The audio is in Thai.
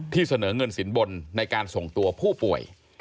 เสนอเงินสินบนในการส่งตัวผู้ป่วย